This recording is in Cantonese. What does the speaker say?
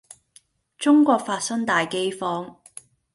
中國發生大饑荒